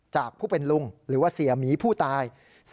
จากผู้เป็นลุงหรือว่าเสียหมีผู้ตาย